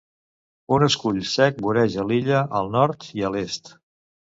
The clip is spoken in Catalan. Un escull sec voreja l'illa al nord i a l'est.